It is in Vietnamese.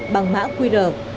bằng mã qr